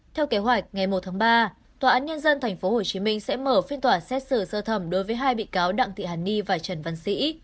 theo kế hoạch ngày một tháng ba tòa án nhân dân tp hcm sẽ mở phiên tòa xét xử sơ thẩm đối với hai bị cáo đặng thị hàn ni và trần văn sĩ